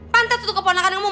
pantes untuk keponakan kamu